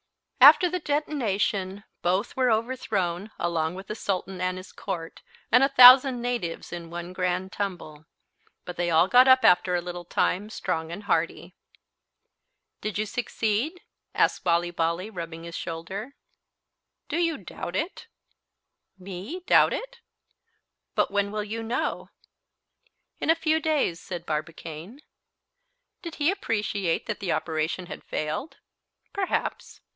After the detonation both were overthrown along with the Sultan arid his court, and a thousand natives in one grand tumble, but they all got up after a little time strong and hearty. "Did you succeed?" asked Bali Bali, rubbing his shoulder. "Do you doubt it?" "Me doubt it?" "But when will you know?" "In a few days," said Barbicane. Did he appreciate that the operation had failed? Perhaps.